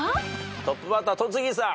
トップバッター戸次さん。